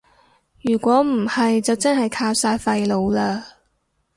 如果唔係就真係靠晒廢老喇